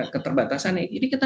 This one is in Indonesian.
keterbatasannya jadi kita